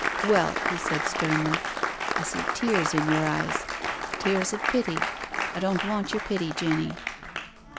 " Well," he said sternly, "I see tears in your eyes —tears of pity— I don't want your pity, Jenny."